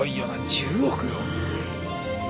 １０億よ。